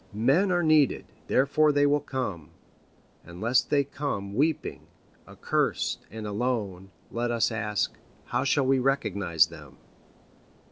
Men are needed, therefore they will come. And lest they come weeping, accursed, and alone, let us ask, how shall we recognize them?